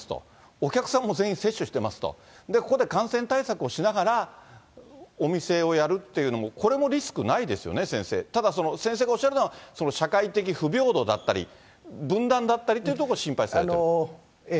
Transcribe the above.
お客さんも全員接種していますと、ここで感染対策をしながらお店をやるっていうのも、これもリスクないですよね、先生、ただ、先生がおっしゃるのは、社会的不平等だったり、分断だったりっていうところを心配されている？